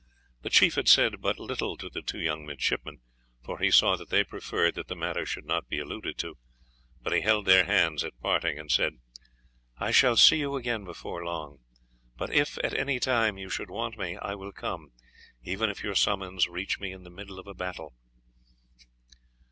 The chief had said but little to the two young midshipmen, for he saw that they preferred that the matter should not be alluded to, but he held their hands at parting, and said: "I shall see you again before long; but if at any time you should want me, I will come, even if your summons reach me in the middle of a battle."